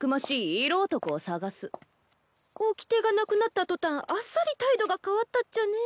おきてがなくなった途端あっさり態度が変わったっちゃね。